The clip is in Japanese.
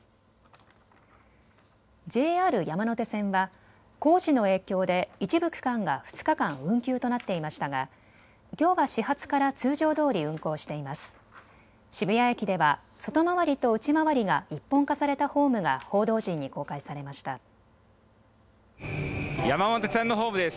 ＪＲ山手線は工事の影響で一部区間が２日間運休となっていましたが、きょうは始発から通常どおり運行しています。